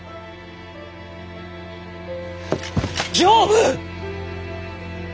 刑部！